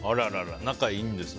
仲いいんですね